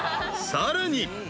［さらに］